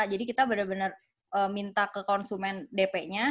jadi kita benar benar minta ke konsumen dp nya